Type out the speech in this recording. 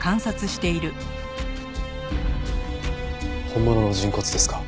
本物の人骨ですか？